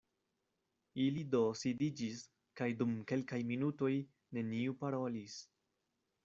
Ili do sidiĝis, kaj dum kelkaj minutoj neniu parolis.